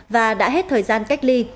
và đã hết thời gian cách ly